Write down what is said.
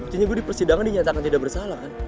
berarti gue di persidangan dinyatakan tidak bersalah kan